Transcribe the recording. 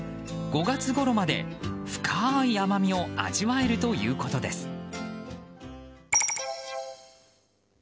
５月ごろまで、深い甘みを味わえるということです。